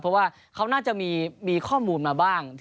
เพราะว่าเขาน่าจะมีข้อมูลมาบ้าง